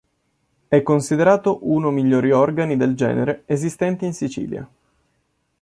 È considerato uno migliori organi del genere esistenti in Sicilia.